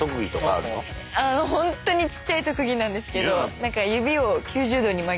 ホントにちっちゃい特技なんですけど。